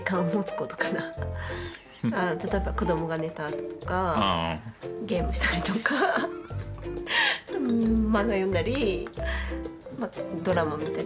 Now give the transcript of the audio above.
例えば子どもが寝たあととかゲームしたりとか漫画読んだりドラマ見たり。